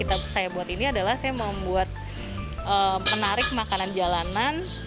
yang saya buat ini adalah saya membuat menarik makanan jalanan